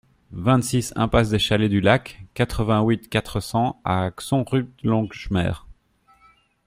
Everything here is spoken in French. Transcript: vingt-six impasse des Chalets du Lac, quatre-vingt-huit, quatre cents à Xonrupt-Longemer